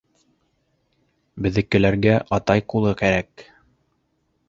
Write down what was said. Беҙҙекеләргә атай ҡулы кәрәк.